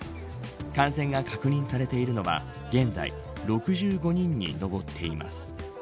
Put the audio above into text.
感染が確認されているのは現在６５人に上っています。